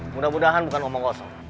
mudah mudahan bukan omong kosong